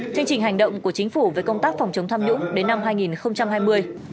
chương trình hành động của chính phủ về công tác phòng chống tham nhũng đến năm hai nghìn hai mươi